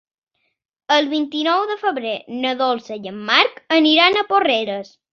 El vint-i-nou de febrer na Dolça i en Marc aniran a Porreres.